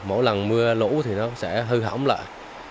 mỗi lần mưa lũ thì nó sẽ hư hỏng lại